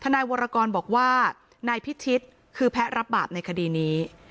นายวรกรบอกว่านายพิชิตคือแพ้รับบาปในคดีนี้